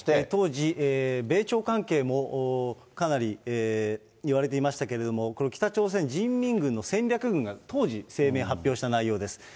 当時、米朝関係もかなりいわれていましたけれども、これ、北朝鮮人民軍の戦略軍が当時声明発表した内容です。